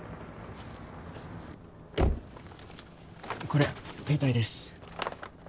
これ携帯です